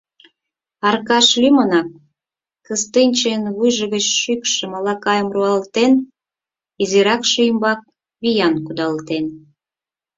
Аркаш лӱмынак Кыстынчийын вуйжо гыч шӱкшӧ малакайым руалтен, изиракше ӱмбак виян кудалтен.